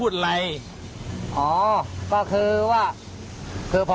เจ้าหน้าที่ก็